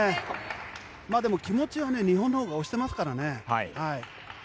でも気持ちは日本のほうが押してますからね。